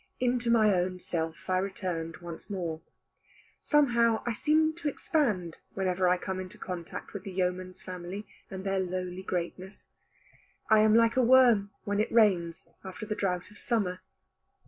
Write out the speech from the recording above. Into my own self I returned once more. Somehow I seem to expand whenever I come in contact with the yeoman's family, and their lowly greatness. I am like a worm when it rains, after the drought of summer.